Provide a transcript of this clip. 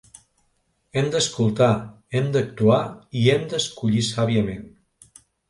Hem d’escoltar, hem d’actuar i hem d’escollir sàviament.